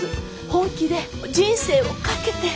本気で人生を懸けて。